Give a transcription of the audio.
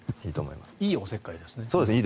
いいおせっかいですね。